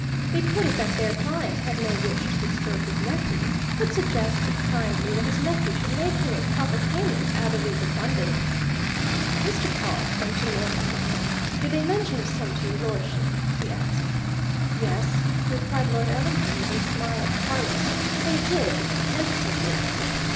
They put it that their client had no wish to disturb his nephew, but suggested, kindly, that his nephew should make him a proper payment out of his abundance." Mr. Pawle turned to Lord Ellingham. "Did they mention a sum to Your Lordship?" he asked. "Yes," replied Lord Ellingham, with a smile at Carless. "They did tentatively."